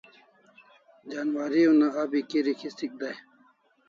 Janwari una abi kirik histik dai